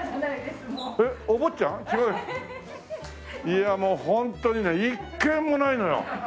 いやもうホントにね一軒もないのよ。